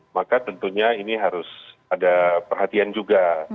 maka tentunya ini harus ada perhatian juga